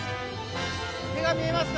手が見えますか？